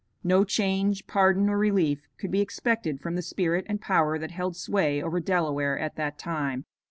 No change, pardon or relief, could be expected from the spirit and power that held sway over Delaware at that time.